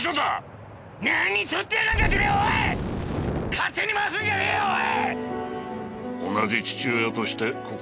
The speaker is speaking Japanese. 勝手に回すんじゃねぇよおい！